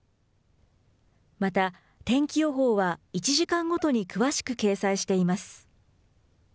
また、天気予報は１時間ごとに詳しく掲載しています。